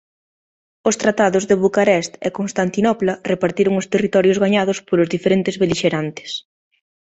Os tratados de Bucarest e de Constantinopla repartiron o territorios gañados polos diferentes belixerantes.